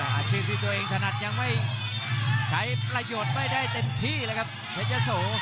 อาชีพที่ตัวเองถนัดยังไม่ใช้ประโยชน์ไม่ได้เต็มที่เลยครับเพชรยะโส